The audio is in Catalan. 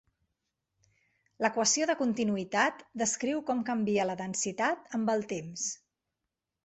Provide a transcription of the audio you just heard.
L'equació de continuïtat descriu com canvia la densitat amb el temps.